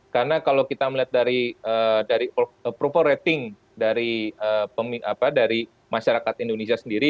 karena kalau kita melihat dari proper rating dari masyarakat indonesia sendiri